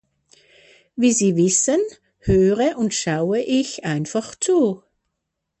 Wie Sie wissen, höre und schaue ich einfach zu.